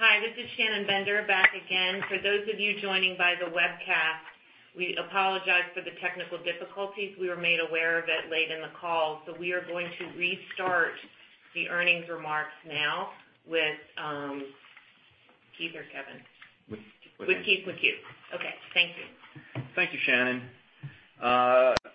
Hi, this is Shannon Bender back again. For those of you joining by the webcast, we apologize for the technical difficulties. We were made aware of it late in the call, so we are going to restart the earnings remarks now with Keith or Kevin? With Keith. With Keith, with you. Okay, thank you. Thank you, Shannon.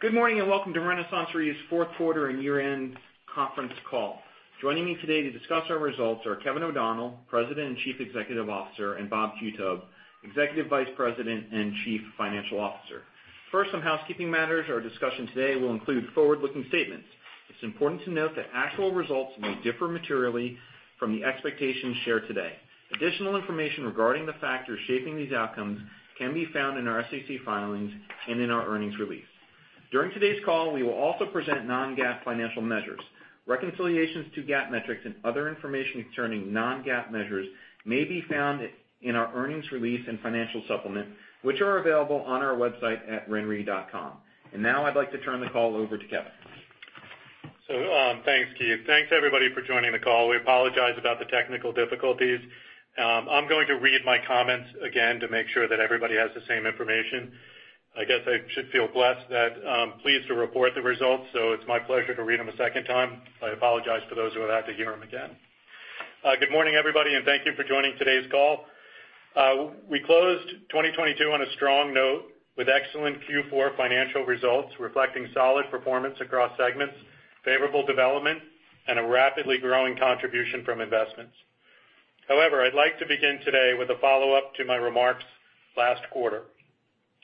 Good morning and welcome to RenaissanceRe's fourth quarter and year-end conference call. Joining me today to discuss our results are Kevin O'Donnell, President and Chief Executive Officer, and Bob Qutub, Executive Vice President and Chief Financial Officer. First, some housekeeping matters. Our discussion today will include forward-looking statements. It's important to note that actual results may differ materially from the expectations shared today. Additional information regarding the factors shaping these outcomes can be found in our SEC filings and in our earnings release. During today's call, we will also present non-GAAP financial measures. Reconciliations to GAAP metrics and other information concerning non-GAAP measures may be found in our earnings release and financial supplement, which are available on our website at renre.com. Now I'd like to turn the call over to Kevin. Thanks, Keith. Thanks, everybody, for joining the call. We apologize about the technical difficulties. I'm going to read my comments again to make sure that everybody has the same information. I guess I should feel blessed that I'm pleased to report the results. It's my pleasure to read them a second time. I apologize to those who will have to hear them again. Good morning, everybody. Thank you for joining today's call. We closed 2022 on a strong note with excellent Q4 financial results reflecting solid performance across segments, favorable development, and a rapidly growing contribution from investments. However, I'd like to begin today with a follow-up to my remarks last quarter.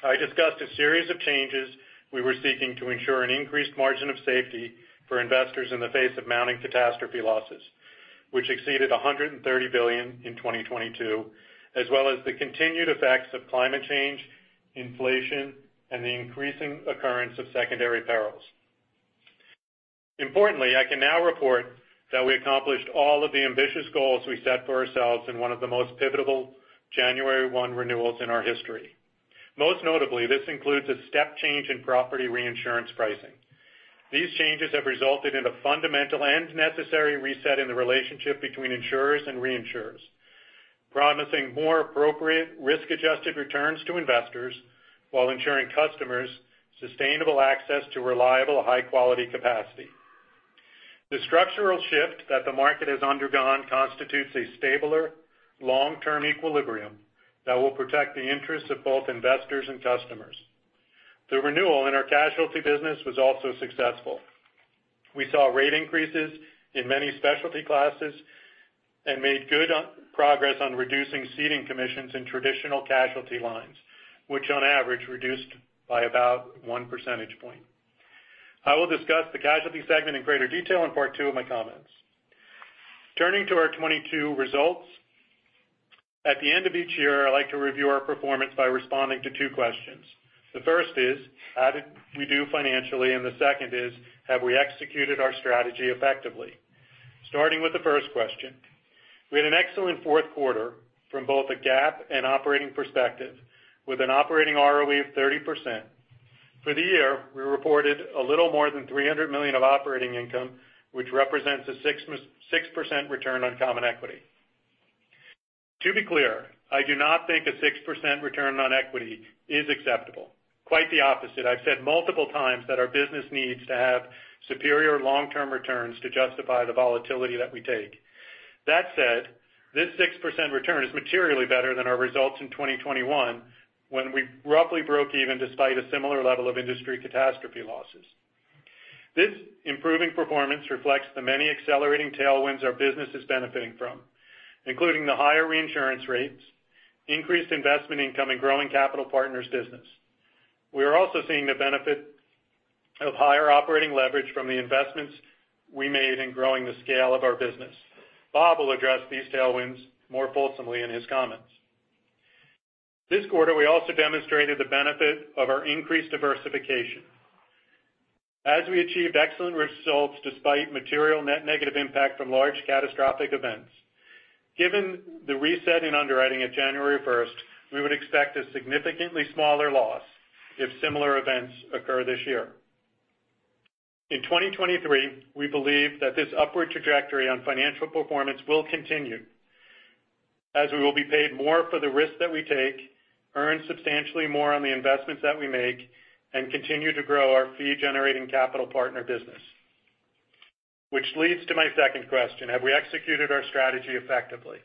I discussed a series of changes we were seeking to ensure an increased margin of safety for investors in the face of mounting catastrophe losses, which exceeded $130 billion in 2022, as well as the continued effects of climate change, inflation, and the increasing occurrence of secondary perils. Importantly, I can now report that we accomplished all of the ambitious goals we set for ourselves in one of the most pivotable January 1 renewals in our history. Most notably, this includes a step change in property reinsurance pricing. These changes have resulted in a fundamental and necessary reset in the relationship between insurers and reinsurers, promising more appropriate risk-adjusted returns to investors while ensuring customers sustainable access to reliable, high-quality capacity. The structural shift that the market has undergone constitutes a stabler, long-term equilibrium that will protect the interests of both investors and customers. The renewal in our casualty business was also successful. We saw rate increases in many specialty classes and made good on progress on reducing ceding commissions in traditional casualty lines, which on average reduced by about 1 percentage point. I will discuss the casualty segment in greater detail in part two of my comments. Turning to our 2022 results. At the end of each year, I like to review our performance by responding to two questions. The first is, how did we do financially? The second is, have we executed our strategy effectively? Starting with the first question, we had an excellent fourth quarter from both a GAAP and operating perspective, with an Operating ROE of 30%. For the year, we reported a little more than $300 million of operating income, which represents a 6% return on common equity. To be clear, I do not think a 6% return on equity is acceptable. Quite the opposite. I've said multiple times that our business needs to have superior long-term returns to justify the volatility that we take. That said, this 6% return is materially better than our results in 2021 when we roughly broke even despite a similar level of industry catastrophe losses. This improving performance reflects the many accelerating tailwinds our business is benefiting from, including the higher reinsurance rates, increased investment income, and growing Capital Partners business. We are also seeing the benefit of higher operating leverage from the investments we made in growing the scale of our business. Bob will address these tailwinds more fulsomely in his comments. This quarter, we also demonstrated the benefit of our increased diversification as we achieved excellent results despite material net negative impact from large catastrophic events. Given the reset in underwriting at January 1st, we would expect a significantly smaller loss if similar events occur this year. In 2023, we believe that this upward trajectory on financial performance will continue as we will be paid more for the risks that we take, earn substantially more on the investments that we make, and continue to grow our fee-generating capital partner business. This leads to my second question. Have we executed our strategy effectively?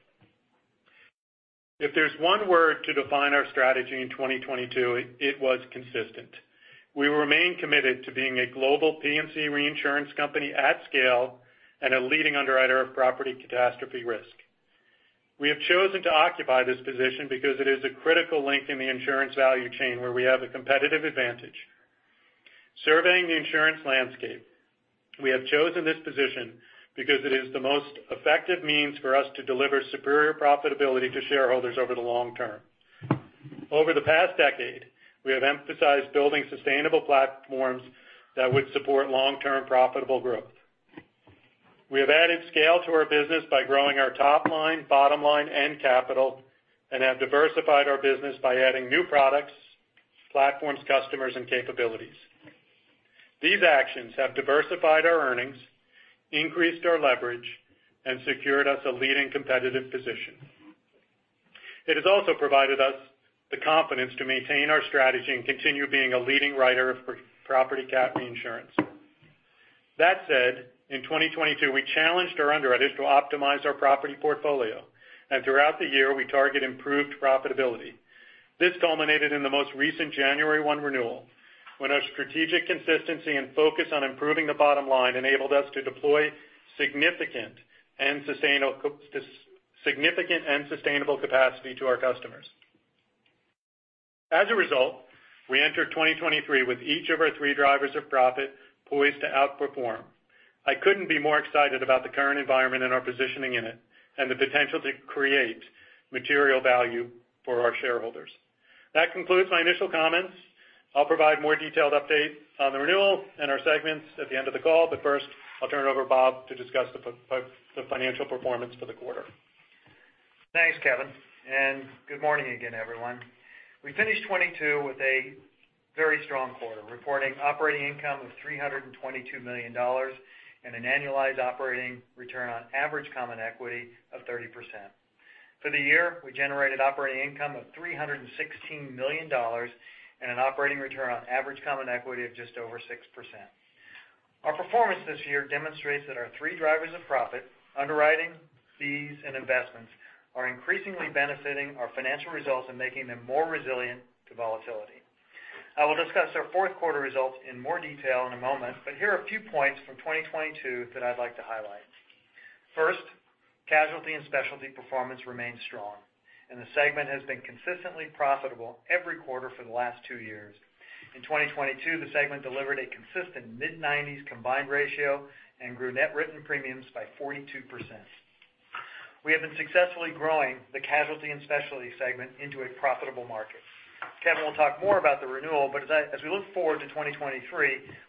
If there's one word to define our strategy in 2022, it was consistent. We remain committed to being a global P&C reinsurance company at scale and a leading underwriter of property catastrophe risk. We have chosen to occupy this position because it is a critical link in the insurance value chain where we have a competitive advantage. Surveying the insurance landscape, we have chosen this position because it is the most effective means for us to deliver superior profitability to shareholders over the long term. Over the past decade, we have emphasized building sustainable platforms that would support long-term profitable growth. We have added scale to our business by growing our top line, bottom line, and capital, and have diversified our business by adding new products, platforms, customers, and capabilities. These actions have diversified our earnings, increased our leverage, and secured us a leading competitive position. It has also provided us the confidence to maintain our strategy and continue being a leading writer of property catastrophe reinsurance. That said, in 2022, we challenged our underwriters to optimize our property portfolio, and throughout the year, we target improved profitability. This culminated in the most recent January 1 renewal, when our strategic consistency and focus on improving the bottom line enabled us to deploy significant and sustainable capacity to our customers. As a result, we enter 2023 with each of our three drivers of profit poised to outperform. I couldn't be more excited about the current environment and our positioning in it, and the potential to create material value for our shareholders. That concludes my initial comments. I'll provide more detailed update on the renewal and our segments at the end of the call. First, I'll turn it over to Bob to discuss the financial performance for the quarter. Thanks, Kevin. Good morning again, everyone. We finished 2022 with a very strong quarter, reporting operating income of $322 million and an annualized operating return on average common equity of 30%. For the year, we generated operating income of $316 million and an operating return on average common equity of just over 6%. Our performance this year demonstrates that our three drivers of profit, underwriting, fees, and investments, are increasingly benefiting our financial results and making them more resilient to volatility. I will discuss our fourth quarter results in more detail in a moment. Here are a few points from 2022 that I'd like to highlight. First, casualty and specialty performance remains strong, and the segment has been consistently profitable every quarter for the last two years. In 2022, the segment delivered a consistent mid-nineties combined ratio and grew Net Written Premiums by 42%. We have been successfully growing the casualty and specialty segment into a profitable market. Kevin will talk more about the renewal. As we look forward to 2023,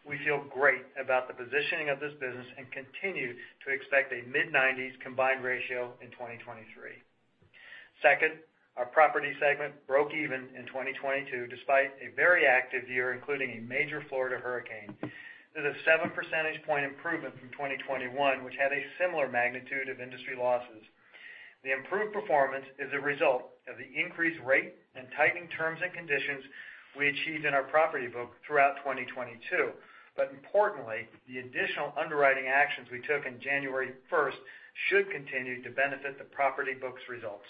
we feel great about the positioning of this business and continue to expect a mid-nineties combined ratio in 2023. Second, our property segment broke even in 2022 despite a very active year, including a major Florida hurricane. This is a 7 percentage point improvement from 2021, which had a similar magnitude of industry losses. The improved performance is a result of the increased rate and tightening terms and conditions we achieved in our property book throughout 2022. Importantly, the additional underwriting actions we took in January first should continue to benefit the property book's results.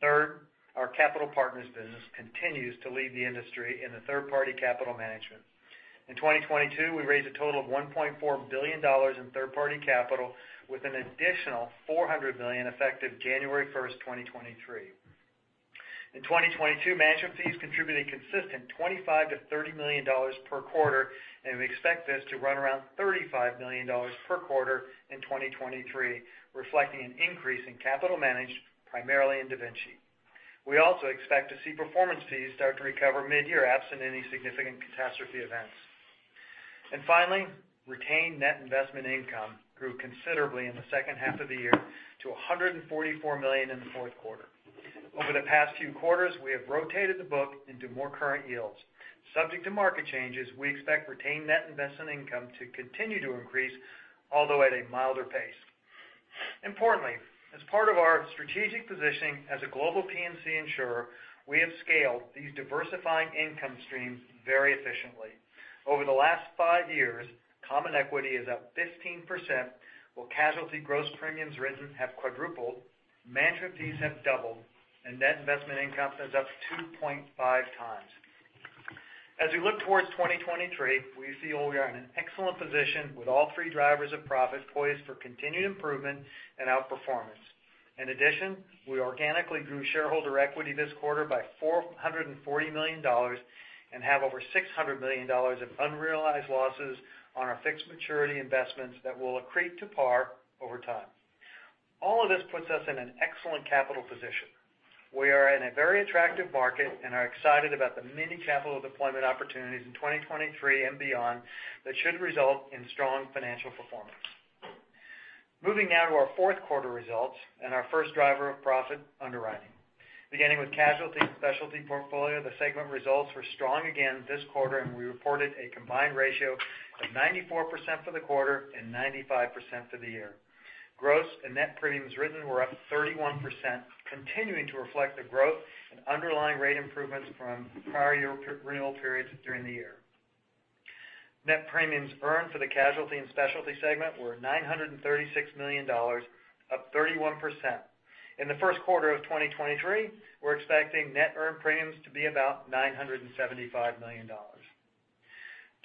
Third, our capital partners business continues to lead the industry in the third-party capital management. In 2022, we raised a total of $1.4 billion in third-party capital with an additional $400 million effective January 1st, 2023. In 2022, management fees contributed consistent $25 million-$30 million per quarter, and we expect this to run around $35 million per quarter in 2023, reflecting an increase in capital managed primarily in DaVinci. We also expect to see performance fees start to recover mid-year, absent any significant catastrophe events. Finally, retained net investment income grew considerably in the second half of the year to $144 million in the fourth quarter. Over the past few quarters, we have rotated the book into more current yields. Subject to market changes, we expect retained net investment income to continue to increase, although at a milder pace. Importantly, as part of our strategic positioning as a global P&C insurer, we have scaled these diversifying income streams very efficiently. Over the last five years, common equity is up 15%, while casualty gross premiums written have quadrupled, management fees have doubled, and net investment income is up 2.5x. As we look towards 2023, we feel we are in an excellent position with all three drivers of profit poised for continued improvement and outperformance. In addition, we organically grew shareholder equity this quarter by $440 million and have over $600 million of unrealized losses on our fixed maturity investments that will accrete to par over time. All of this puts us in an excellent capital position. We are in a very attractive market and are excited about the many capital deployment opportunities in 2023 and beyond that should result in strong financial performance. Moving now to our fourth quarter results and our first driver of profit, underwriting. Beginning with casualty and specialty portfolio, the segment results were strong again this quarter, and we reported a combined ratio of 94% for the quarter and 95% for the year. Gross and net premiums written were up 31%, continuing to reflect the growth and underlying rate improvements from prior year renewal periods during the year. Net premiums earned for the casualty and specialty segment were $936 million, up 31%. In the first quarter of 2023, we're expecting net earned premiums to be about $975 million.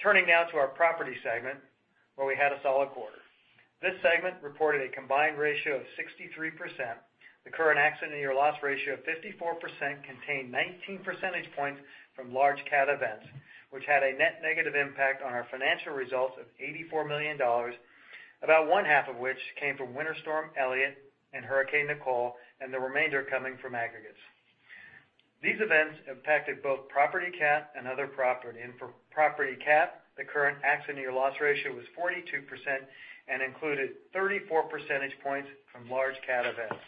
Turning now to our property segment, where we had a solid quarter. This segment reported a combined ratio of 63%. The current accident year loss ratio of 54% contained 19 percentage points from large cat events, which had a net negative impact on our financial results of $84 million, about one half of which came from Winter Storm Elliott and Hurricane Nicole, and the remainder coming from aggregates. These events impacted both property cat and other property. For property cat, the current accident year loss ratio was 42% and included 34 percentage points from large cat events.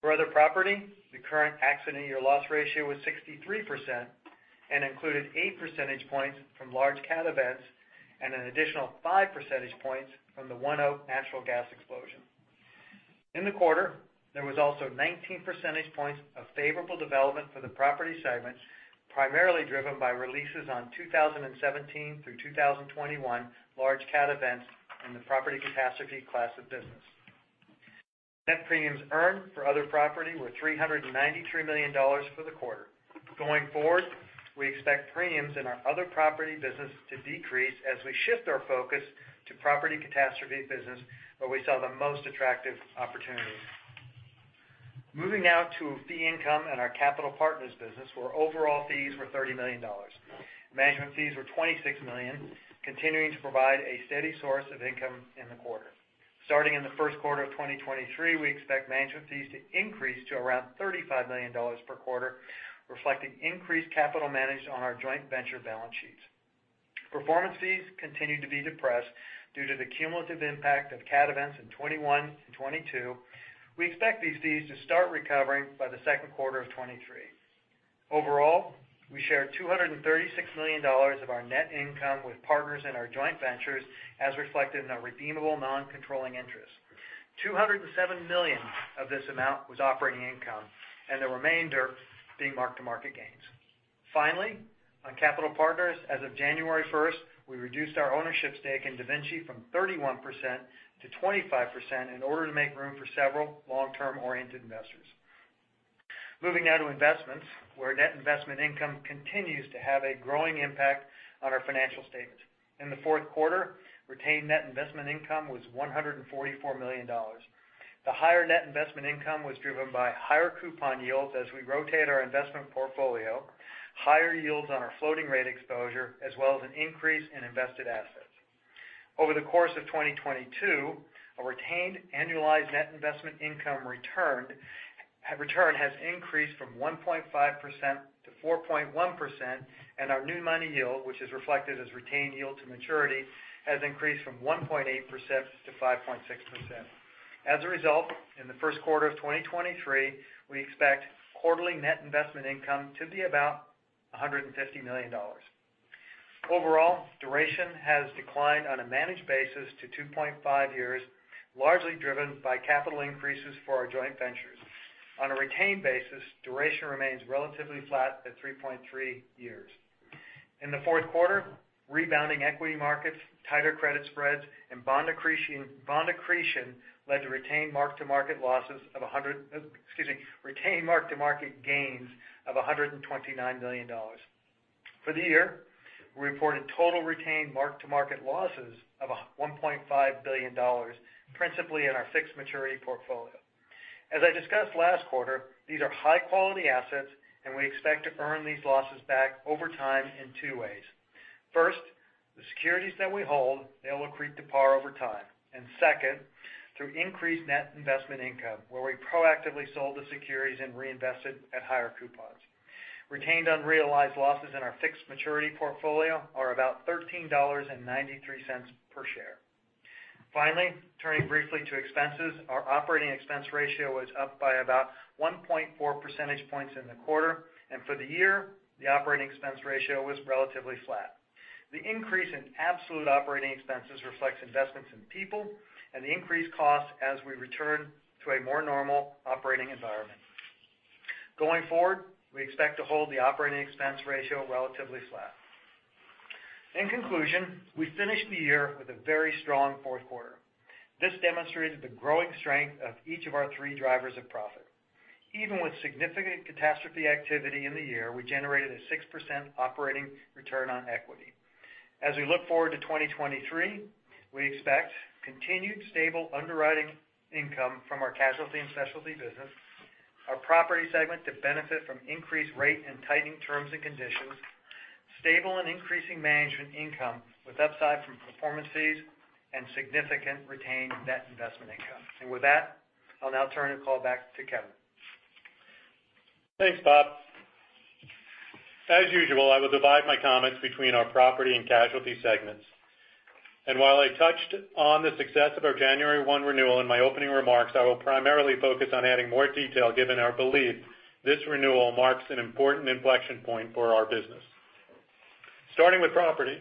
For other property, the current accident year loss ratio was 63% and included 8 percentage points from large cat events and an additional 5 percentage points from the ONEOK natural gas explosion. In the quarter, there was also 19 percentage points of favorable development for the property segment, primarily driven by releases on 2017 through 2021 large cat events in the property catastrophe class of business. Net premiums earned for other property were $393 million for the quarter. Going forward, we expect premiums in our other property business to decrease as we shift our focus to property catastrophe business where we saw the most attractive opportunities. Moving now to fee income and our Capital Partners business, where overall fees were $30 million. management fees were $26 million, continuing to provide a steady source of income in the quarter. Starting in the first quarter of 2023, we expect management fees to increase to around $35 million per quarter, reflecting increased capital managed on our joint venture balance sheets. Performance fees continued to be depressed due to the cumulative impact of cat events in 2021 and 2022. We expect these fees to start recovering by the second quarter of 2023. Overall, we share $236 million of our net income with partners in our joint ventures as reflected in our redeemable non-controlling interest. $207 million of this amount was operating income, and the remainder being mark-to-market gains. Finally, on capital partners, as of January 1st, we reduced our ownership stake in DaVinci from 31% to 25% in order to make room for several long-term oriented investors. Moving now to investments, where net investment income continues to have a growing impact on our financial statements. In the fourth quarter, retained net investment income was $144 million. The higher net investment income was driven by higher coupon yields as we rotate our investment portfolio, higher yields on our floating rate exposure, as well as an increase in invested assets. Over the course of 2022, our retained annualized net investment income returned, return has increased from 1.5% to 4.1%, and our new money yield, which is reflected as retained yield to maturity, has increased from 1.8% to 5.6%. As a result, in the first quarter of 2023, we expect quarterly net investment income to be about $150 million. Overall, duration has declined on a managed basis to 2.5 years, largely driven by capital increases for our joint ventures. On a retained basis, duration remains relatively flat at 3.3 years. In the fourth quarter, rebounding equity markets, tighter credit spreads, and bond accretion led to retained mark-to-market gains of $129 million. For the year, we reported total retained mark-to-market losses of $1.5 billion, principally in our fixed maturity portfolio. As I discussed last quarter, these are high-quality assets, and we expect to earn these losses back over time in two ways. First, the securities that we hold, they will accrete to par over time. Second, through increased net investment income, where we proactively sold the securities and reinvested at higher coupons. Retained unrealized losses in our fixed maturity portfolio are about $13.93 per share. Finally, turning briefly to expenses, our operating expense ratio was up by about 1.4 percentage points in the quarter. For the year, the operating expense ratio was relatively flat. The increase in absolute operating expenses reflects investments in people and the increased cost as we return to a more normal operating environment. Going forward, we expect to hold the operating expense ratio relatively flat. In conclusion, we finished the year with a very strong fourth quarter. This demonstrated the growing strength of each of our three drivers of profit. Even with significant catastrophe activity in the year, we generated a 6% operating return on equity. As we look forward to 2023, we expect continued stable underwriting income from our casualty and specialty business, our property segment to benefit from increased rate and tightening terms and conditions, stable and increasing management income with upside from performance fees, and significant retained net investment income. With that, I'll now turn the call back to Kevin. Thanks, Bob. As usual, I will divide my comments between our property and casualty segments. While I touched on the success of our January 1 renewal in my opening remarks, I will primarily focus on adding more detail given our belief this renewal marks an important inflection point for our business. Starting with property.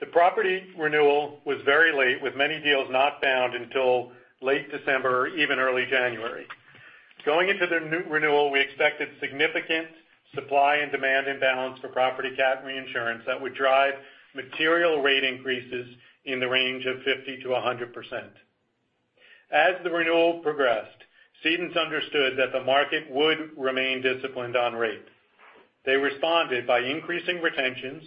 The property renewal was very late, with many deals not bound until late December or even early January. Going into the new renewal, we expected significant supply and demand imbalance for property cat reinsurance that would drive material rate increases in the range of 50%-100%. As the renewal progressed, cedents understood that the market would remain disciplined on rates. They responded by increasing retentions,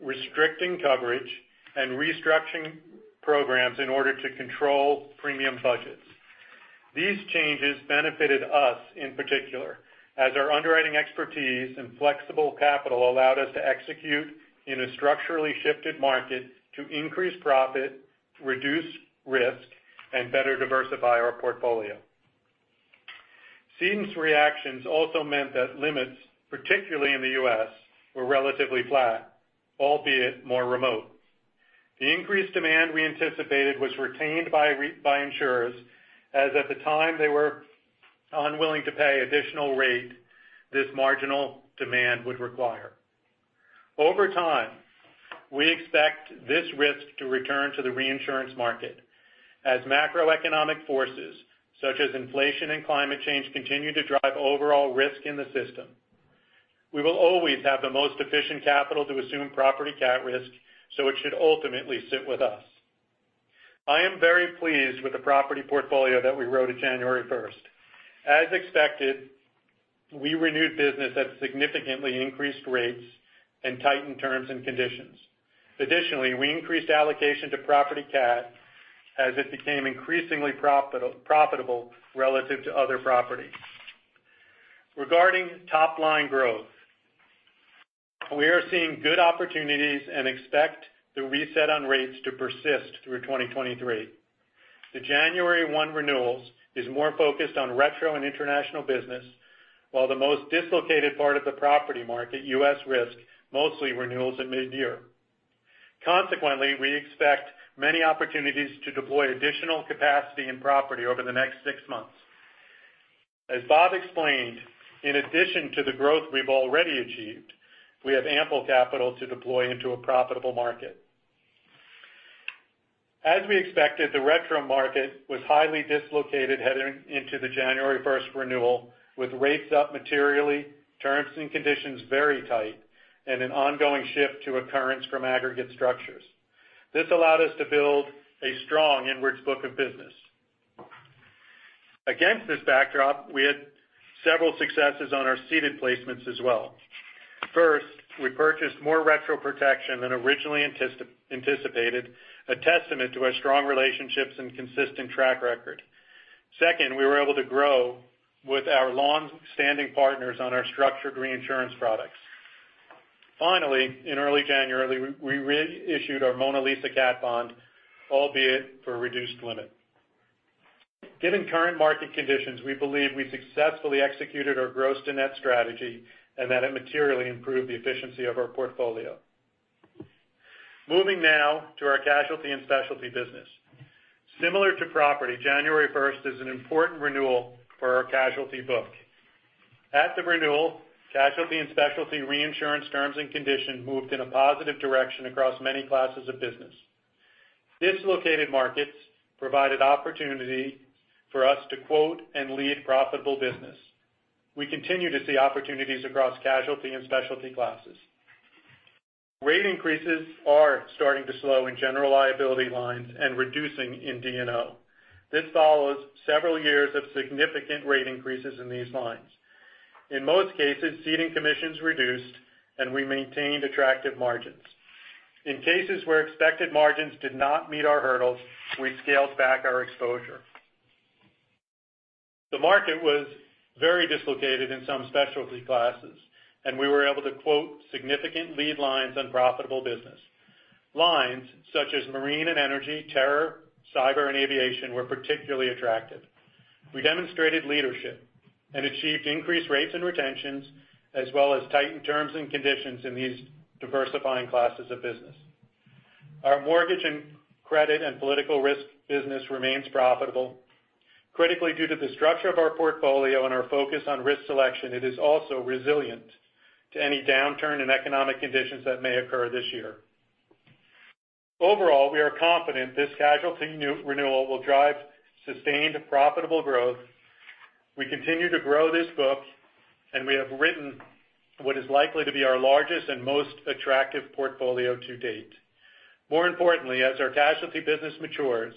restricting coverage, and restructuring programs in order to control premium budgets. These changes benefited us in particular as our underwriting expertise and flexible capital allowed us to execute in a structurally shifted market to increase profit, reduce risk, and better diversify our portfolio. Cedents' reactions also meant that limits, particularly in the U.S., were relatively flat, albeit more remote. The increased demand we anticipated was retained by insurers, as at the time they were unwilling to pay additional rate this marginal demand would require. Over time, we expect this risk to return to the reinsurance market as macroeconomic forces, such as inflation and climate change, continue to drive overall risk in the system. We will always have the most efficient capital to assume property cat risk, so it should ultimately sit with us. I am very pleased with the property portfolio that we wrote at January first. As expected, we renewed business at significantly increased rates and tightened terms and conditions. Additionally, we increased allocation to property cat as it became increasingly profitable relative to other property. Regarding top line growth, we are seeing good opportunities and expect the reset on rates to persist through 2023. The January 1 renewals is more focused on retro and international business, while the most dislocated part of the property market, U.S. risk, mostly renewals at mid-year. We expect many opportunities to deploy additional capacity and property over the next six months. As Bob explained, in addition to the growth we've already achieved, we have ample capital to deploy into a profitable market. As we expected, the retro market was highly dislocated heading into the January 1st renewal, with rates up materially, terms and conditions very tight, and an ongoing shift to occurrence from aggregate structures. This allowed us to build a strong inwards book of business. Against this backdrop, we had several successes on our ceded placements as well. First, we purchased more retro protection than originally anticipated, a testament to our strong relationships and consistent track record. Second, we were able to grow with our long-standing partners on our structured reinsurance products. Finally, in early January, we reissued our Mona Lisa Re cat bond, albeit for a reduced limit. Given current market conditions, we believe we successfully executed our gross-to-net strategy and that it materially improved the efficiency of our portfolio. Moving now to our casualty and specialty business. Similar to property, January first is an important renewal for our casualty book. At the renewal, casualty and specialty reinsurance terms and conditions moved in a positive direction across many classes of business. Dislocated markets provided opportunity for us to quote and lead profitable business. We continue to see opportunities across casualty and specialty classes. Rate increases are starting to slow in general liability lines and reducing in D&O. This follows several years of significant rate increases in these lines. In most cases, ceding commissions reduced, and we maintained attractive margins. In cases where expected margins did not meet our hurdles, we scaled back our exposure. The market was very dislocated in some specialty classes, and we were able to quote significant lead lines on profitable business. Lines such as marine and energy, terror, cyber, and aviation were particularly attractive. We demonstrated leadership and achieved increased rates and retentions as well as tightened terms and conditions in these diversifying classes of business. Our mortgage and credit and political risk business remains profitable. Critically due to the structure of our portfolio and our focus on risk selection, it is also resilient to any downturn in economic conditions that may occur this year. Overall, we are confident this casualty renewal will drive sustained profitable growth. We continue to grow this book, and we have written what is likely to be our largest and most attractive portfolio to date. More importantly, as our casualty business matures,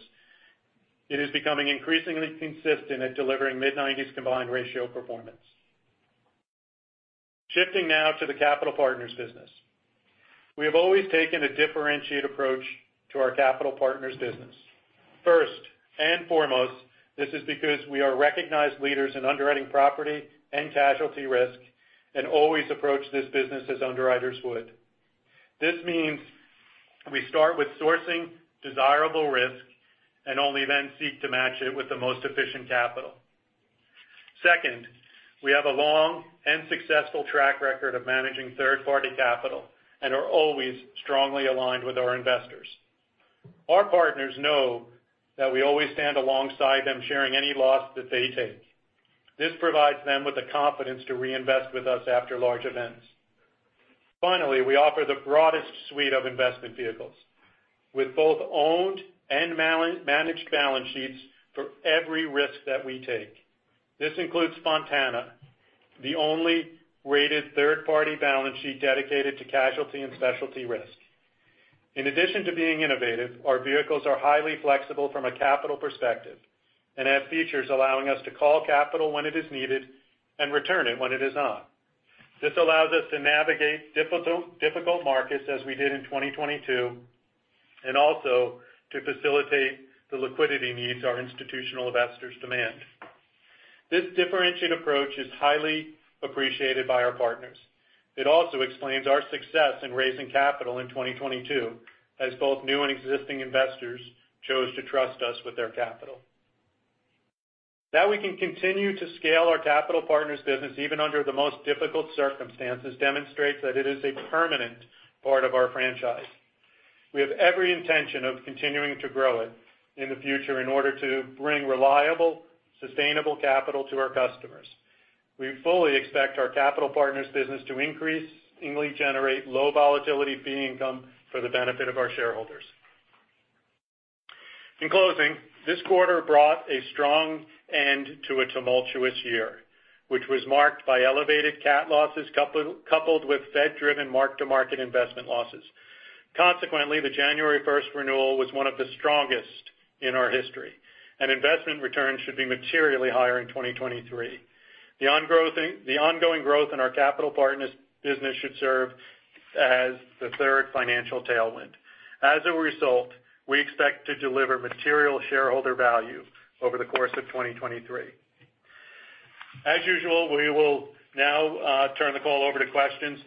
it is becoming increasingly consistent at delivering mid-nineties combined ratio performance. Shifting now to the Capital Partners business. We have always taken a differentiated approach to our Capital Partners business. First and foremost, this is because we are recognized leaders in underwriting property and casualty risk and always approach this business as underwriters would. This means we start with sourcing desirable risk and only then seek to match it with the most efficient capital. Second, we have a long and successful track record of managing third-party capital and are always strongly aligned with our investors. Our partners know that we always stand alongside them, sharing any loss that they take. This provides them with the confidence to reinvest with us after large events. Finally, we offer the broadest suite of investment vehicles, with both owned and managed balance sheets for every risk that we take. This includes Fontana, the only rated third-party balance sheet dedicated to casualty and specialty risk. In addition to being innovative, our vehicles are highly flexible from a capital perspective and have features allowing us to call capital when it is needed and return it when it is not. This allows us to navigate difficult markets as we did in 2022, and also to facilitate the liquidity needs our institutional investors demand. This differentiated approach is highly appreciated by our partners. It also explains our success in raising capital in 2022 as both new and existing investors chose to trust us with their capital. That we can continue to scale our Capital Partners business even under the most difficult circumstances demonstrates that it is a permanent part of our franchise. We have every intention of continuing to grow it in the future in order to bring reliable, sustainable capital to our customers. We fully expect our Capital Partners business to increase, and we generate low volatility fee income for the benefit of our shareholders. In closing, this quarter brought a strong end to a tumultuous year, which was marked by elevated cat losses coupled with Fed-driven mark-to-market investment losses. Consequently, the January 1st renewal was one of the strongest in our history, and investment returns should be materially higher in 2023. The ongoing growth in our Capital Partners business should serve as the third financial tailwind. As a result, we expect to deliver material shareholder value over the course of 2023. As usual, we will now turn the call over to questions.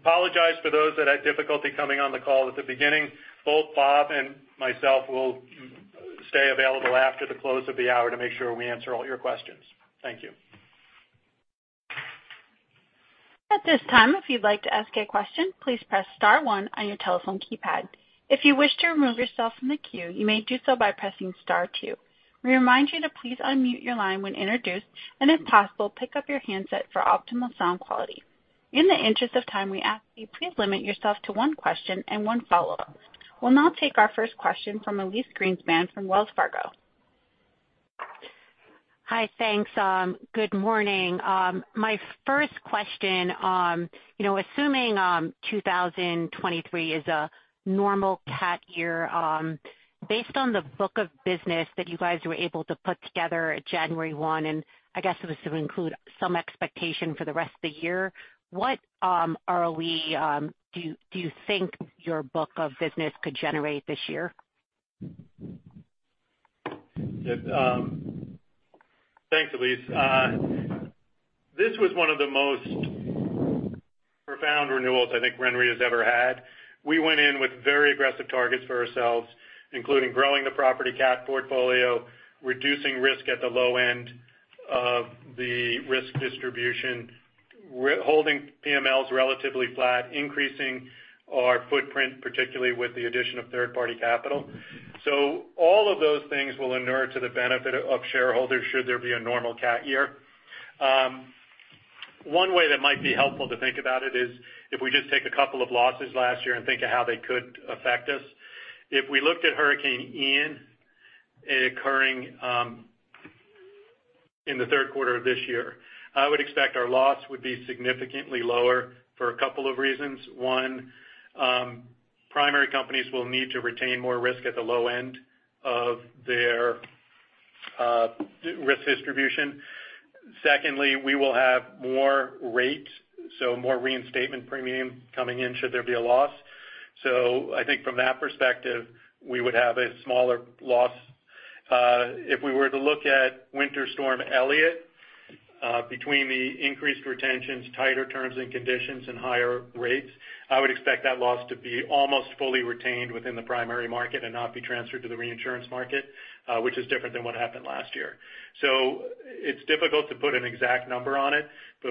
Apologize for those that had difficulty coming on the call at the beginning. Both Bob and myself will stay available after the close of the hour to make sure we answer all your questions. Thank you. At this time, if you'd like to ask a question, please press star one on your telephone keypad. If you wish to remove yourself from the queue, you may do so by pressing star two. We remind you to please unmute your line when introduced, and if possible, pick up your handset for optimal sound quality. In the interest of time, we ask that you please limit yourself to one question and one follow-up. We'll now take our first question from Elyse Greenspan from Wells Fargo. Hi. Thanks. Good morning. My first question, you know, assuming 2023 is a normal cat year, based on the book of business that you guys were able to put together at January 1, and I guess it was to include some expectation for the rest of the year, what ROE do you think your book of business could generate this year? Yeah. Thanks, Elyse. This was one of the most profound renewals I think RenRe has ever had. We went in with very aggressive targets for ourselves, including growing the property catastrophe portfolio, reducing risk at the low end of the risk distribution, holding PMLs relatively flat, increasing our footprint, particularly with the addition of third-party capital. All of those things will inure to the benefit of shareholders should there be a normal cat year. One way that might be helpful to think about it is if we just take a couple of losses last year and think of how they could affect us. If we looked at Hurricane Ian occurring, in the third quarter of this year, I would expect our loss would be significantly lower for a couple of reasons. One, primary companies will need to retain more risk at the low end of their risk distribution. Secondly, we will have more rate, so more reinstatement premium coming in should there be a loss. I think from that perspective, we would have a smaller loss. If we were to look at Winter Storm Elliott, between the increased retentions, tighter terms and conditions and higher rates, I would expect that loss to be almost fully retained within the primary market and not be transferred to the reinsurance market, which is different than what happened last year. It's difficult to put an exact number on it.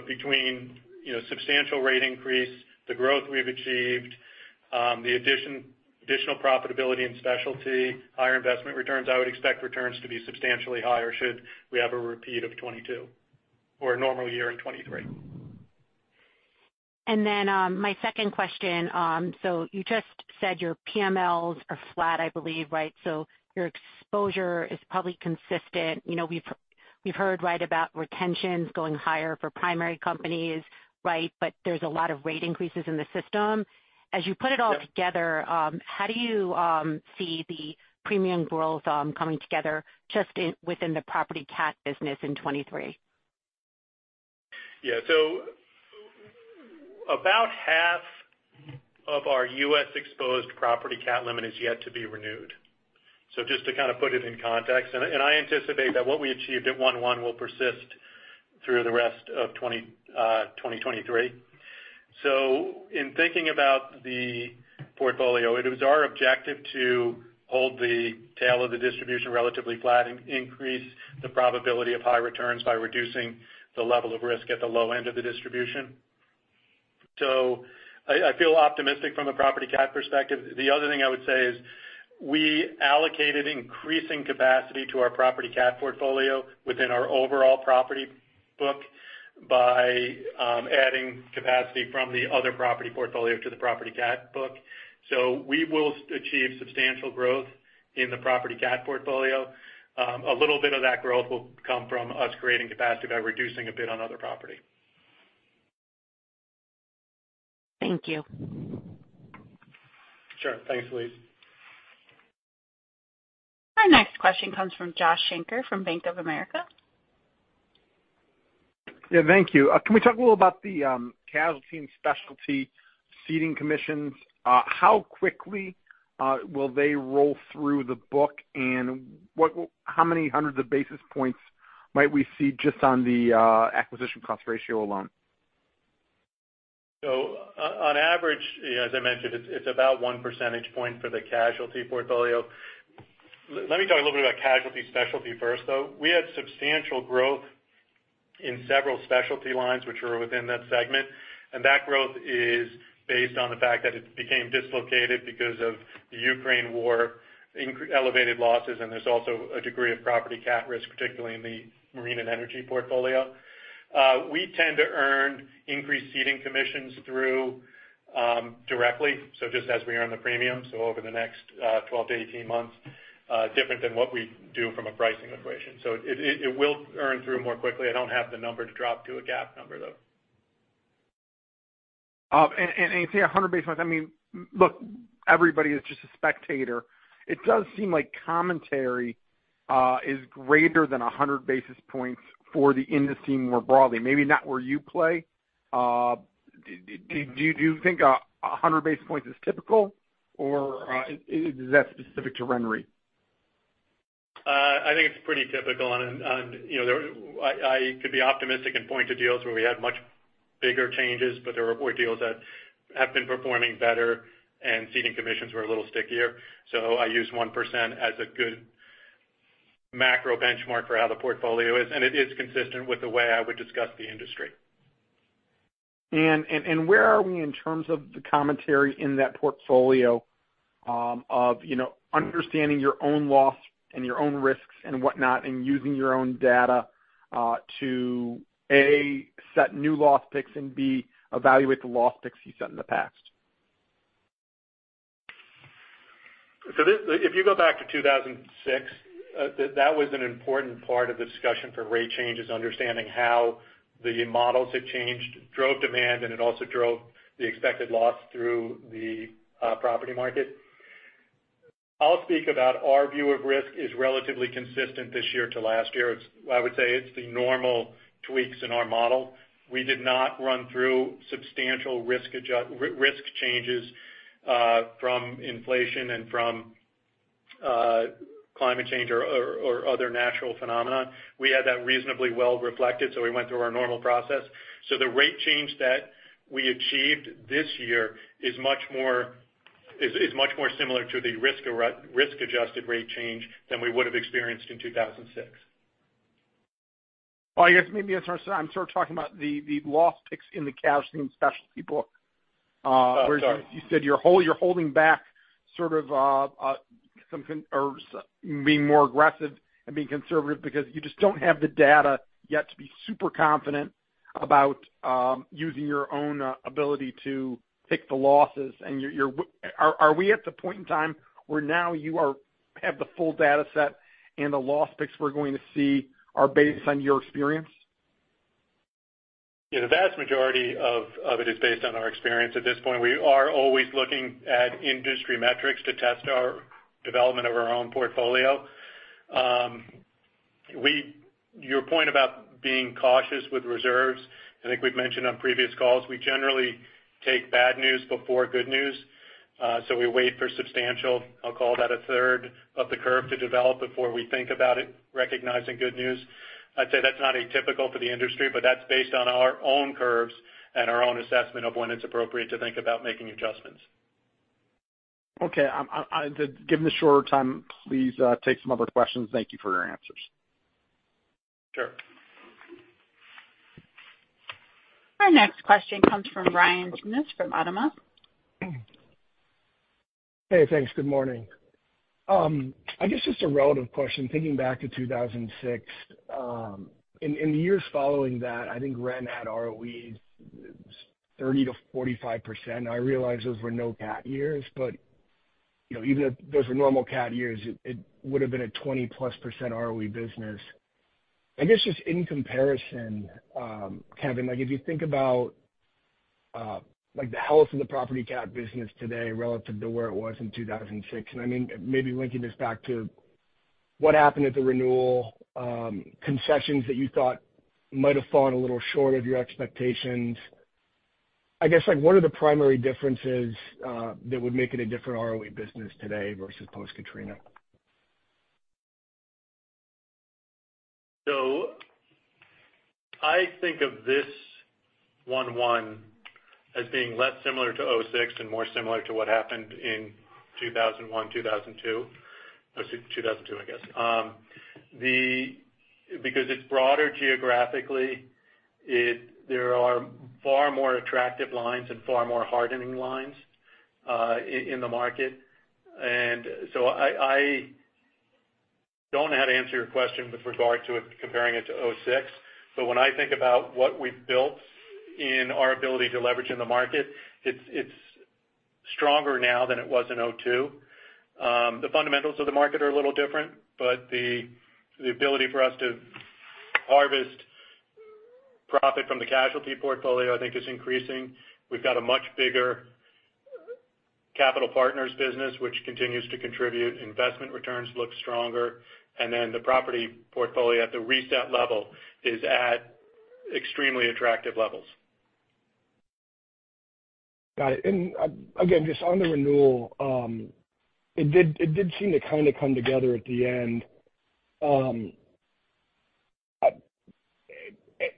Between, you know, substantial rate increase, the growth we've achieved, additional profitability and specialty, higher investment returns, I would expect returns to be substantially higher should we have a repeat of 2022 or a normal year in 2023. Then, my second question. You just said your PMLs are flat, I believe, right? Your exposure is probably consistent. You know, we've heard, right, about retentions going higher for primary companies, right, but there's a lot of rate increases in the system. As you put it all together, how do you see the premium growth coming together just in, within the property catastrophe business in 2023? Yeah. About half of our U.S. exposed property catastrophe limit is yet to be renewed. Just to kind of put it in context, and I anticipate that what we achieved at 1/1 will persist through the rest of 2023. In thinking about the portfolio, it was our objective to hold the tail of the distribution relatively flat and increase the probability of high returns by reducing the level of risk at the low end of the distribution. I feel optimistic from a property catastrophe perspective. The other thing I would say is we allocated increasing capacity to our property catastrophe portfolio within our overall property book by adding capacity from the other property portfolio to the property catastrophe book. We will achieve substantial growth in the property catastrophe portfolio. A little bit of that growth will come from us creating capacity by reducing a bit on other property. Thank you. Sure. Thanks, Elyse. Our next question comes from Joshua Shanker from Bank of America. Yeah, thank you. Can we talk a little about the casualty and specialty ceding commissions? How quickly will they roll through the book, and how many hundreds of basis points might we see just on the acquisition cost ratio alone? On average, as I mentioned, it's about 1 percentage point for the casualty portfolio. Let me talk a little bit about casualty specialty first, though. We had substantial growth in several specialty lines which are within that segment, that growth is based on the fact that it became dislocated because of the Ukraine War, elevated losses, there's also a degree of property catastrophe risk, particularly in the marine and energy portfolio. We tend to earn increased ceding commissions through directly, just as we earn the premium, over the next 12 to 18 months, different than what we do from a pricing equation. It will earn through more quickly. I don't have the number to drop to a GAAP number, though. Say 100 basis points. I mean, look, everybody is just a spectator. It does seem like commentary is greater than 100 basis points for the industry more broadly. Maybe not where you play. Do you think 100 basis points is typical or is that specific to RenRe? I think it's pretty typical. You know, I could be optimistic and point to deals where we had much bigger changes, but there were deals that have been performing better and ceding commissions were a little stickier. I use 1% as a good macro benchmark for how the portfolio is. It is consistent with the way I would discuss the industry. Where are we in terms of the commentary in that portfolio, of, you know, understanding your own loss and your own risks and whatnot, and using your own data, to, A, set new loss picks and B, evaluate the loss picks you set in the past? This if you go back to 2006, that was an important part of the discussion for rate changes, understanding how the models had changed, drove demand, and it also drove the expected loss through the property market. I'll speak about our view of risk is relatively consistent this year to last year. I would say it's the normal tweaks in our model. We did not run through substantial risk changes from inflation and from climate change or other natural phenomenon. We had that reasonably well reflected, so we went through our normal process. The rate change that we achieved this year is much more similar to the risk-adjusted rate change than we would have experienced in 2006. I guess maybe I'm sort of talking about the loss picks in the casualty and specialty book. Oh, sorry. Where you said you're holding back sort of, some being more aggressive and being conservative because you just don't have the data yet to be super confident about, using your own ability to pick the losses. Are we at the point in time where now you have the full data set and the loss picks we're going to see are based on your experience? Yeah. The vast majority of it is based on our experience at this point. We are always looking at industry metrics to test our development of our own portfolio. Your point about being cautious with reserves, I think we've mentioned on previous calls, we generally take bad news before good news. We wait for substantial, I'll call that a third of the curve to develop before we think about it, recognizing good news. I'd say that's not atypical for the industry, but that's based on our own curves and our own assessment of when it's appropriate to think about making adjustments. Okay. Given the shorter time, please take some of our questions. Thank you for your answers. Sure. Our next question comes from Ryan Tunis from Autonomous Research. Hey, thanks. Good morning. I guess just a relative question, thinking back to 2006. In the years following that, I think RenRe had ROEs 30%-45%. I realize those were no cat years, but, you know, even if those were normal cat years, it would've been a 20%+ ROE business. I guess just in comparison, Kevin, like if you think about, like the health of the property cat business today relative to where it was in 2006, and I mean, maybe linking this back to what happened at the renewal, concessions that you thought might have fallen a little short of your expectations. I guess, like what are the primary differences that would make it a different ROE business today versus post-Katrina? I think of this 1/1 as being less similar to 2006 and more similar to what happened in 2001, 2002. Let's see, 2002, I guess. Because it's broader geographically, there are far more attractive lines and far more hardening lines in the market. I don't know how to answer your question with regard to comparing it to 2006. When I think about what we've built in our ability to leverage in the market, it's stronger now than it was in 2002. The fundamentals of the market are a little different, but the ability for us to harvest profit from the casualty portfolio, I think is increasing. We've got a much bigger Capital Partners business, which continues to contribute. Investment returns look stronger. The property portfolio at the reset level is at extremely attractive levels. Got it. again, just on the renewal, it did seem to kind of come together at the end.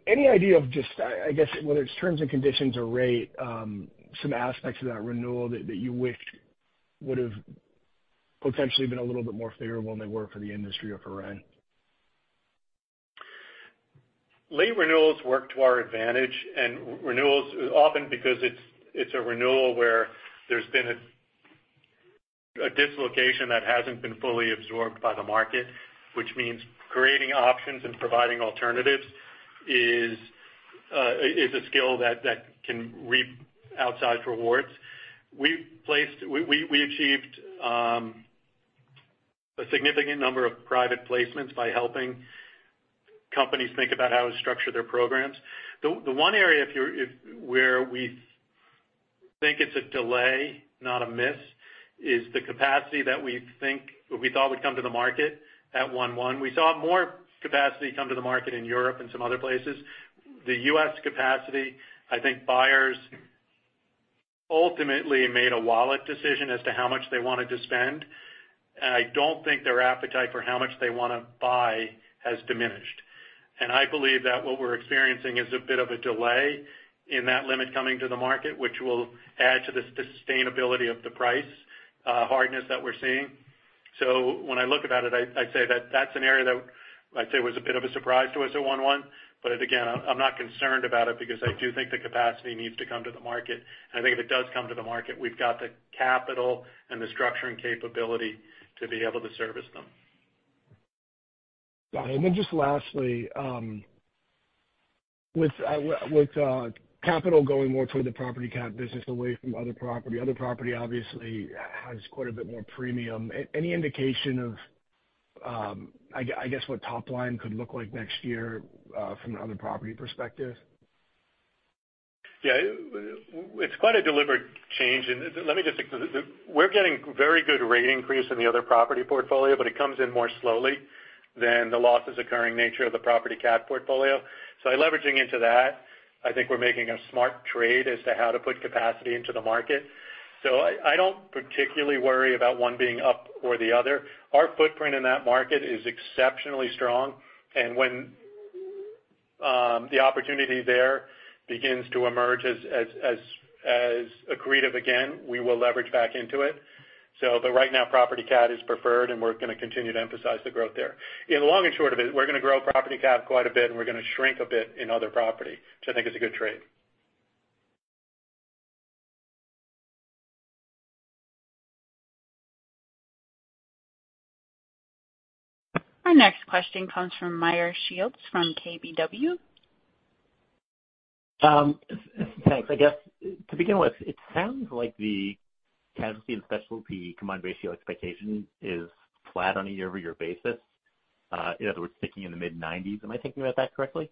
any idea of just, I guess whether it's terms and conditions or rate, some aspects of that renewal that you wished would've potentially been a little bit more favorable than they were for the industry or for RenRe? Late renewals work to our advantage and renewals often because it's a renewal where there's been a dislocation that hasn't been fully absorbed by the market, which means creating options and providing alternatives is a skill that can reap outsized rewards. We achieved a significant number of private placements by helping companies think about how to structure their programs. The one area where we think it's a delay, not a miss, is the capacity that we think or we thought would come to the market at one/one. We saw more capacity come to the market in Europe and some other places. The U.S. capacity, I think buyers ultimately made a wallet decision as to how much they wanted to spend. I don't think their appetite for how much they wanna buy has diminished. I believe that what we're experiencing is a bit of a delay in that limit coming to the market, which will add to the sustainability of the price hardness that we're seeing. When I look about it, I'd say that that's an area that I'd say was a bit of a surprise to us at 1/1. Again, I'm not concerned about it because I do think the capacity needs to come to the market. I think if it does come to the market, we've got the capital and the structuring capability to be able to service them. Got it. Just lastly, with capital going more toward the property catastrophe business away from other property, other property obviously has quite a bit more premium. Any indication of, I guess, what top line could look like next year from an other property perspective? Yeah. It's quite a deliberate change. We're getting very good rate increase in the other property portfolio, but it comes in more slowly than the losses occurring nature of the property catastrophe portfolio. By leveraging into that, I think we're making a smart trade as to how to put capacity into the market. I don't particularly worry about one being up or the other. Our footprint in that market is exceptionally strong, when the opportunity there begins to emerge as accretive again, we will leverage back into it. Right now, property catastrophe is preferred, and we're gonna continue to emphasize the growth there. In the long and short of it, we're gonna grow property catastrophe quite a bit, and we're gonna shrink a bit in other property, which I think is a good trade. Our next question comes from Meyer Shields from KBW. Thanks. I guess to begin with, it sounds like the casualty and specialty combined ratio expectation is flat on a year-over-year basis, in other words, sticking in the mid-nineties. Am I thinking about that correctly?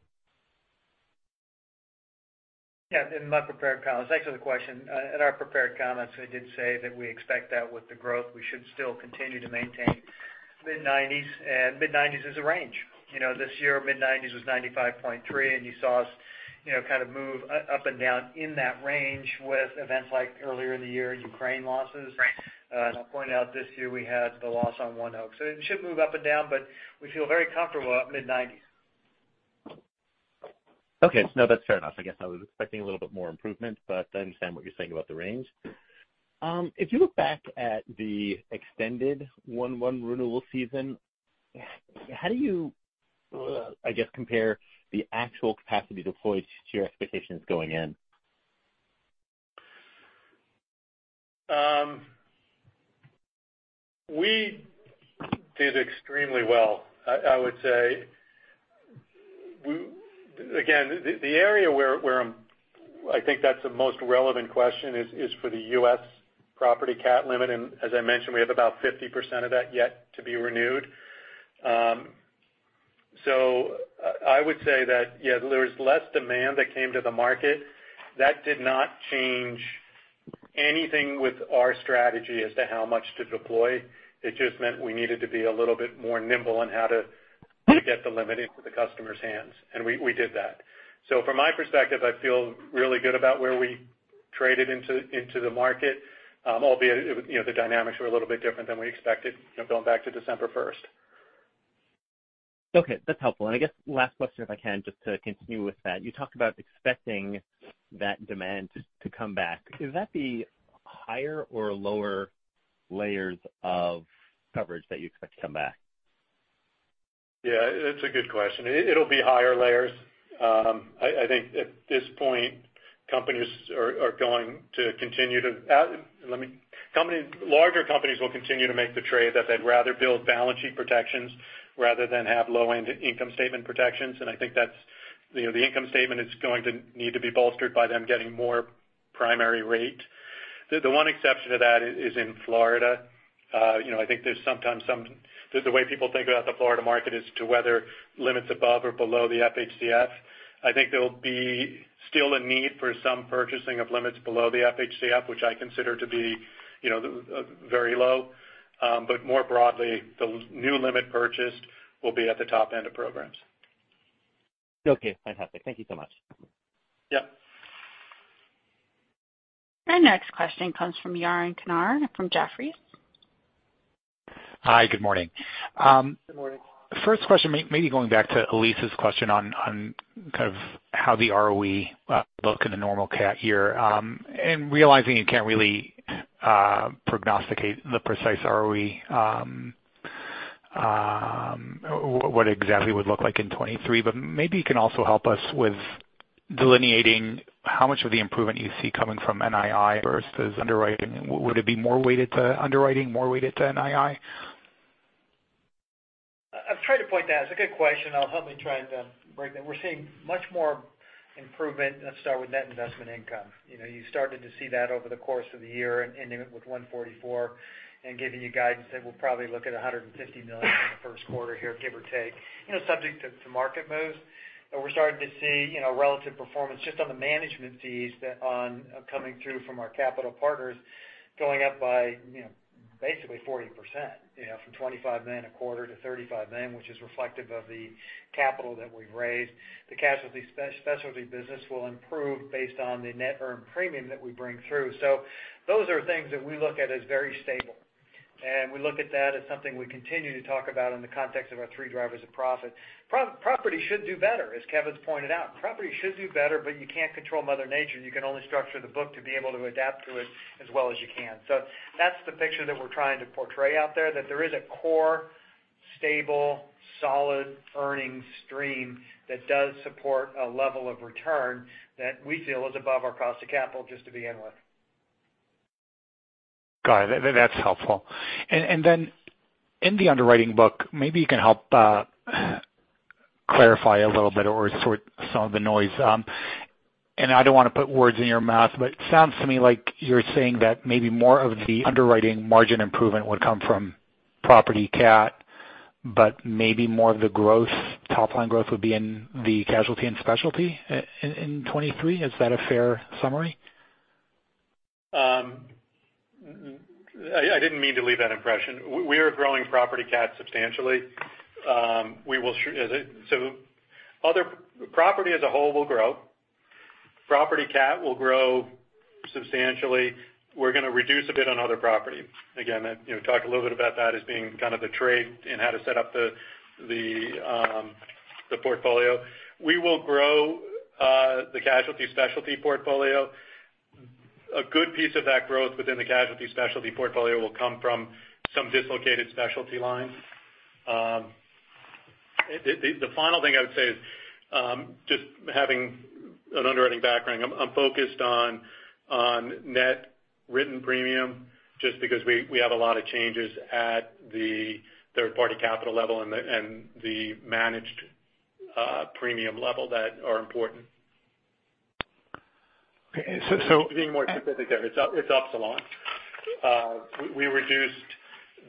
Yeah. In my prepared comments. Thanks for the question. In our prepared comments, I did say that we expect that with the growth, we should still continue to maintain mid-90s. Mid-90s is a range. You know, this year, mid-90s was 95.3%. You saw us, you know, kind of move up and down in that range with events like earlier in the year, Ukraine losses. Right. I'll point out this year, we had the loss on ONEOK. It should move up and down, but we feel very comfortable at mid-90s. Okay. No, that's fair enough. I guess I was expecting a little bit more improvement, but I understand what you're saying about the range. If you look back at the extended 1/1 renewal season, how do you, I guess, compare the actual capacity deployed to your expectations going in? We did extremely well, I would say. The area where I think that's the most relevant question is for the U.S. property catastrophe limit, and as I mentioned, we have about 50% of that yet to be renewed. I would say that, yeah, there was less demand that came to the market. That did not change anything with our strategy as to how much to deploy. It just meant we needed to be a little bit more nimble on how to get the limit into the customer's hands, and we did that. From my perspective, I feel really good about where we traded into the market. Albeit, you know, the dynamics were a little bit different than we expected, you know, going back to December 1st. Okay. That's helpful. I guess last question, if I can, just to continue with that. You talked about expecting that demand to come back. Is that the higher or lower layers of coverage that you expect to come back? It's a good question. It'll be higher layers. I think at this point, companies are going to continue to make the trade that they'd rather build balance sheet protections rather than have low-end income statement protections. I think that's, you know, the income statement is going to need to be bolstered by them getting more primary rate. The one exception to that is in Florida. You know, I think there's sometimes the way people think about the Florida market as to whether limits above or below the FHCF, I think there'll be still a need for some purchasing of limits below the FHCF, which I consider to be, you know, very low. More broadly, the new limit purchased will be at the top end of programs. Okay. Fantastic. Thank you so much. Yeah. Our next question comes from Yaron Kinar from Jefferies. Hi, good morning. Good morning. First question maybe going back to Elyse's question on kind of how the ROE look in a normal cat year, what exactly it would look like in 23, but maybe you can also help us with delineating how much of the improvement you see coming from NII versus underwriting? Would it be more weighted to underwriting, more weighted to NII? I've tried to point that. It's a good question. I'll help me try and break that. We're seeing much more improvement. Let's start with Net Investment Income. You know, you started to see that over the course of the year ending it with $144 and giving you guidance that we'll probably look at $150 million in the first quarter here, give or take, you know, subject to market moves. We're starting to see, you know, relative performance just on the management fees that on coming through from our Capital Partners going up by, you know, basically 40%. You know, from $25 million a quarter to $35 million, which is reflective of the capital that we've raised. The casualty specialty business will improve based on the Net Earned Premium that we bring through. Those are things that we look at as very stable, and we look at that as something we continue to talk about in the context of our three drivers of profit. Pro-property should do better, as Kevin's pointed out. Property should do better, but you can't control mother nature, and you can only structure the book to be able to adapt to it as well as you can. That's the picture that we're trying to portray out there, that there is a core, stable, solid earning stream that does support a level of return that we feel is above our cost of capital just to begin with. Got it. That's helpful. Then in the underwriting book, maybe you can help clarify a little bit or sort some of the noise. I don't want to put words in your mouth, but it sounds to me like you're saying that maybe more of the underwriting margin improvement would come from property catastrophe, but maybe more of the growth, top line growth would be in the casualty and specialty in 2023. Is that a fair summary? I didn't mean to leave that impression. We are growing property catastrophe substantially. Property as a whole will grow. Property cat will grow substantially. We're gonna reduce a bit on other property. Again, you know, talk a little bit about that as being kind of the trade in how to set up the portfolio. We will grow the casualty specialty portfolio. A good piece of that growth within the casualty specialty portfolio will come from some dislocated specialty lines. The final thing I would say is just having an underwriting background, I'm focused on Net Written Premium just because we have a lot of changes at the third-party capital level and the managed premium level that are important. Okay. To be more specific there, it's Upsilon. We reduced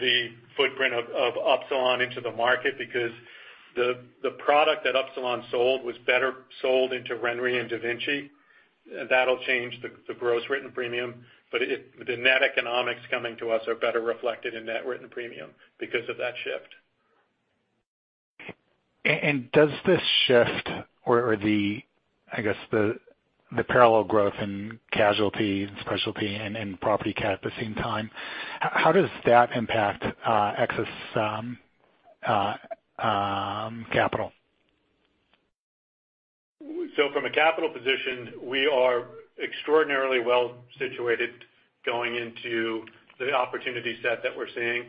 the footprint of Upsilon into the market because the product that Upsilon sold was better sold into RenRe and DaVinci. That'll change the gross written premium, but the net economics coming to us are better reflected in Net Written Premium because of that shift. Does this shift or the, I guess the parallel growth in casualty and specialty and property catastrophe at the same time, how does that impact excess capital? From a capital position, we are extraordinarily well situated going into the opportunity set that we're seeing.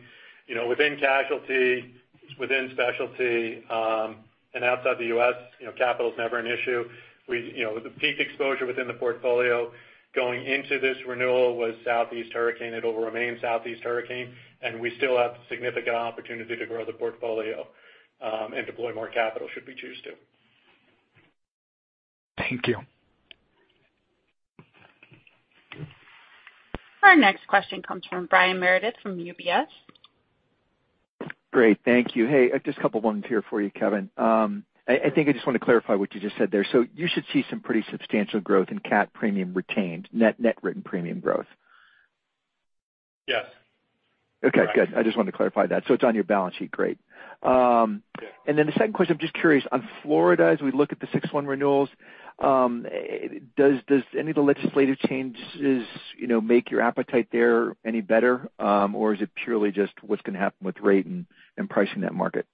You know, within casualty, within specialty, and outside the U.S., you know, capital is never an issue. We, you know, the peak exposure within the portfolio going into this renewal was Southeast hurricane. It will remain Southeast hurricane, and we still have significant opportunity to grow the portfolio, and deploy more capital should we choose to. Thank you. Our next question comes from Brian Meredith from UBS. Great. Thank you. Hey, just a couple ones here for you, Kevin. I think I just want to clarify what you just said there. You should see some pretty substantial growth in cat premium retained, net, Net Written Premium growth. Yes. Okay, good. I just wanted to clarify that. It's on your balance sheet. Great. The second question, I'm just curious. On Florida, as we look at the six one renewals, does any of the legislative changes, you know, make your appetite there any better? Is it purely just what's going to happen with rate and pricing that market?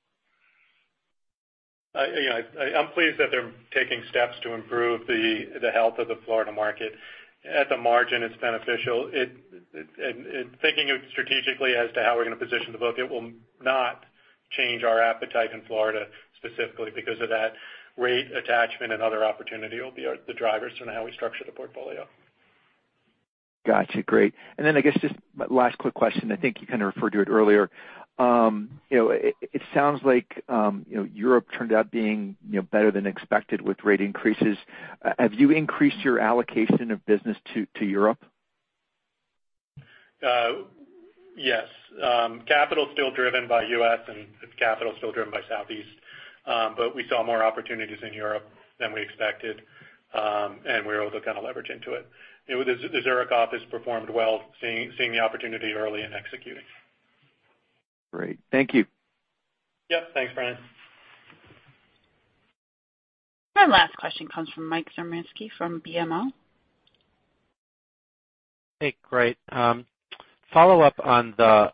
I, you know, I'm pleased that they're taking steps to improve the health of the Florida market. At the margin, it's beneficial. In thinking strategically as to how we're going to position the book, it will not change our appetite in Florida specifically because of that rate attachment and other opportunity will be the drivers on how we structure the portfolio. Got you. Great. I guess just last quick question. I think you kind of referred to it earlier. You know, it sounds like, you know, Europe turned out being, you know, better than expected with rate increases. Have you increased your allocation of business to Europe? Yes. Capital is still driven by U.S. Capital is still driven by Southeast. We saw more opportunities in Europe than we expected. We were able to kind of leverage into it. You know, the Zurich office performed well, seeing the opportunity early and executing. Great. Thank you. Yep. Thanks, Brian. Our last question comes from Mike Zaremski from BMO. Hey, great. Follow-up on the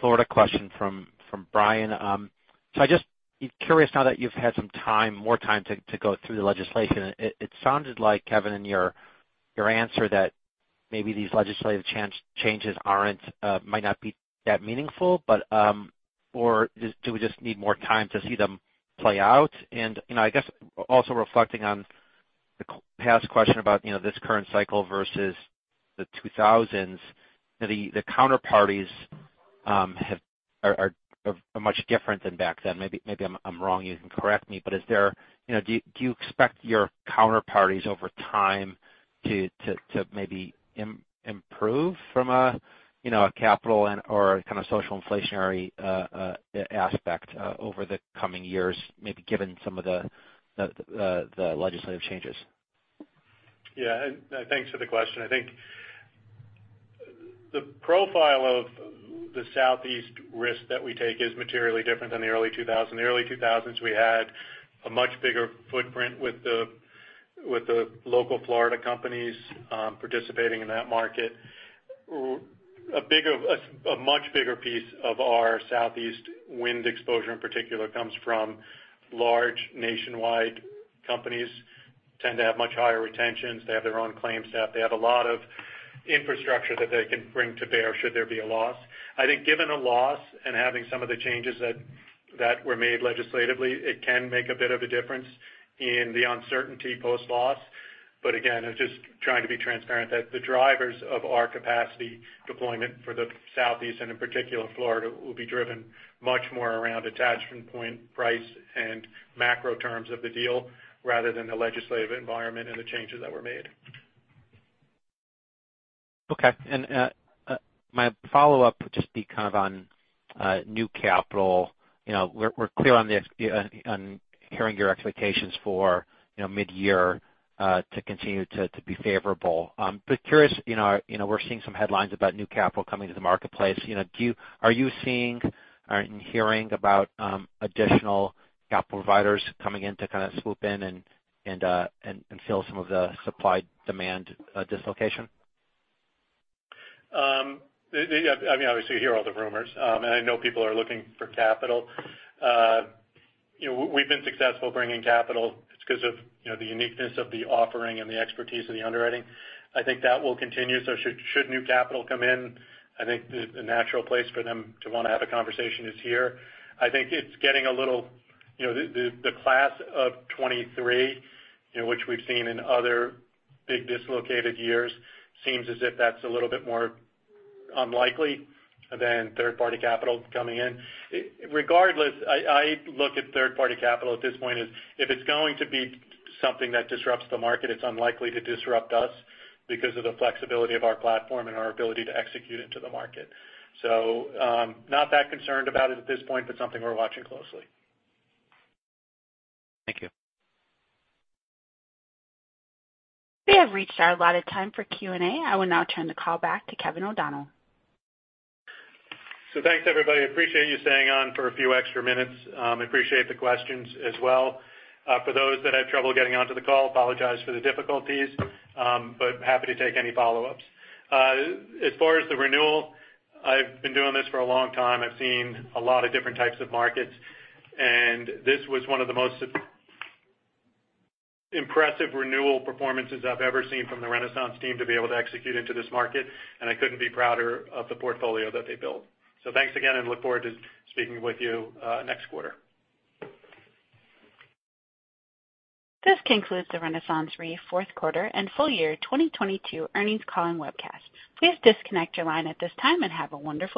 Florida question from Brian. I just curious now that you've had some time, more time to go through the legislation. It sounded like, Kevin, in your answer that maybe these legislative changes aren't might not be that meaningful, but or do we just need more time to see them play out? You know, I guess also reflecting on the past question about, you know, this current cycle versus the 2000s, the counterparties are much different than back then. Maybe, I'm wrong, you can correct me. Is there, you know, do you expect your counterparties over time to maybe improve from a, you know, a capital and/or kind of social inflationary aspect over the coming years, maybe given some of the legislative changes? Thanks for the question. I think the profile of the Southeast risk that we take is materially different than the early 2000s. The early 2000s we had a much bigger footprint with the local Florida companies participating in that market. A much bigger piece of our Southeast wind exposure in particular comes from large nationwide companies tend to have much higher retentions. They have their own claim staff. They have a lot of infrastructure that they can bring to bear should there be a loss. I think given a loss and having some of the changes that were made legislatively, it can make a bit of a difference in the uncertainty post-loss. Again, I'm just trying to be transparent that the drivers of our capacity deployment for the Southeast, and in particular Florida, will be driven much more around attachment point, price, and macro terms of the deal rather than the legislative environment and the changes that were made. Okay. My follow-up would just be kind of on new capital. You know, we're clear on hearing your expectations for, you know, mid-year to continue to be favorable. Curious, you know, you know, we're seeing some headlines about new capital coming to the marketplace. You know, are you seeing and hearing about additional capital providers coming in to kind of swoop in and fill some of the supply-demand dislocation? Yeah, I mean, obviously, you hear all the rumors, and I know people are looking for capital. You know, we've been successful bringing capital. It's 'cause of, you know, the uniqueness of the offering and the expertise of the underwriting. I think that will continue. So should new capital come in, I think the natural place for them to wanna have a conversation is here. I think it's getting a little, you know, the, the Class of 2023, you know, which we've seen in other big dislocated years, seems as if that's a little bit more unlikely than third-party capital coming in. Regardless, I look at third-party capital at this point as if it's going to be something that disrupts the market, it's unlikely to disrupt us because of the flexibility of our platform and our ability to execute into the market. Not that concerned about it at this point, but something we're watching closely. Thank you. We have reached our allotted time for Q&A. I will now turn the call back to Kevin O'Donnell. Thanks, everybody. Appreciate you staying on for a few extra minutes. Appreciate the questions as well. For those that had trouble getting onto the call, apologize for the difficulties but happy to take any follow-ups. As far as the renewal, I've been doing this for a long time. I've seen a lot of different types of markets, and this was one of the most impressive renewal performances I've ever seen from the Renaissance team to be able to execute into this market and I couldn't be prouder of the portfolio that they built. Thanks again and look forward to speaking with you, next quarter. This concludes the RenaissanceRe fourth quarter and full year 2022 earnings calling webcast. Please disconnect your line at this time and have a wonderful day.